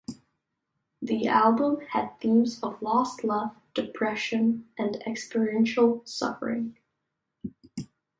The album had themes of lost love, depression, and experiential suffering.